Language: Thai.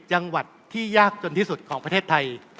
จังหวัดที่ยากจนที่สุดของประเทศไทย